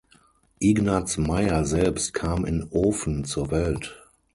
Ignaz Mayer selbst kam in Ofen zur Welt.